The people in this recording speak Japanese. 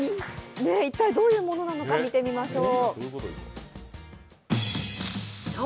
一体どういうものなのか見てみましょう。